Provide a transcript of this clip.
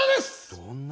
どんな？